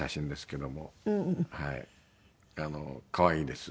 可愛いです。